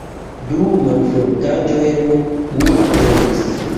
Du malfortaĵojn mi trovis.